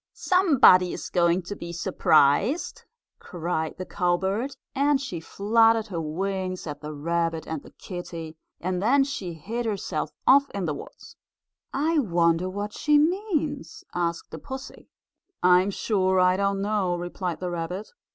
"Somebody is going to be surprised!" cried the cowbird and she fluttered her wings at the rabbit and the kittie, and then she hid herself off in the woods. "I wonder what she means?" asked the pussy. "I'm sure I don't know," replied the rabbit.